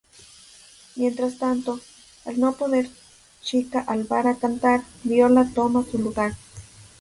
Mientras tanto, al no poder Chica al bar a cantar, Viola toma su lugar.